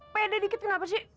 pede dikit kenapa sih